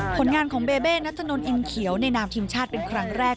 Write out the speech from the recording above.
ผลงานของเบเบนัทธนนอินเขียวในนามทีมชาติเป็นครั้งแรก